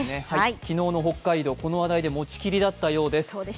昨日の北海道、この話題で持ちきりだったようです。